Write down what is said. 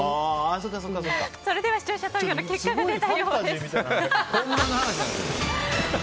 それでは視聴者投票の結果が出たようです。